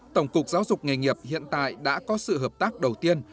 tổng cục giáo dục nghề nghiệp hiện tại đã có sự hợp tác đầu tiên